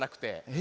え？